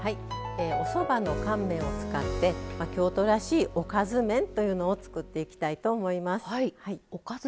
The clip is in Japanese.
おそばの乾麺を使って京都らしいおかず麺というのを作っていきたいと思います。